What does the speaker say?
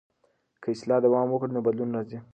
که اصلاح دوام وکړي نو بدلون راځي.